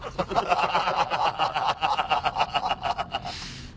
ハハハハ。